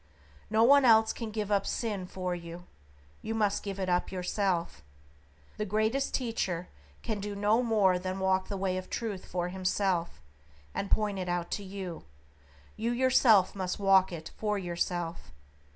No one else can give up sin for you; you must give it up yourself. The greatest teacher can do no more than walk the way of Truth for himself, and point it out to you; you yourself must walk it for yourself.